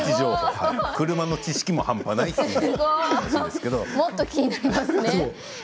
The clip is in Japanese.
車の知識もすごいもっと気になりますね。